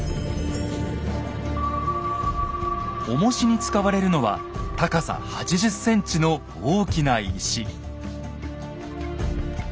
おもしに使われるのは高さ８０ｃｍの大きな石。